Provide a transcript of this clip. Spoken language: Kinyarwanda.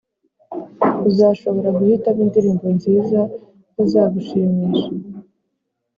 uzashobora guhitamo indirimbo nziza zizagushimisha